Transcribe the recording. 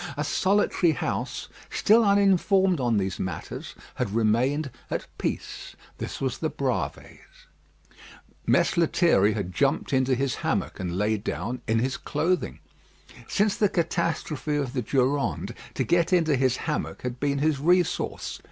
A solitary house, still uninformed on these matters, had remained at peace. This was the Bravées. Mess Lethierry had jumped into his hammock, and lay down in his clothing. Since the catastrophe of the Durande, to get into his hammock had been his resource.